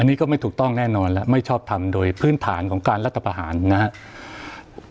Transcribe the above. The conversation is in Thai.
อันนี้ก็ไม่ถูกต้องแน่นอนแล้วไม่ชอบทำโดยพื้นฐานของการรัฐประหารนะครับ